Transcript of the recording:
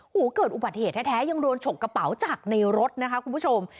เกิดอุบัติเหตุแท้ยังโดนฉกกระเป๋าจากในรถนะคะคุณผู้ชม